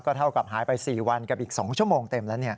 ก็เท่ากับหายไป๔วันกับอีก๒ชมเติมแล้วเนี่ย